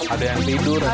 ada yang tidur aja